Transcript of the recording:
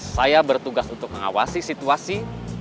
saya bertugas untuk mengawasi situasi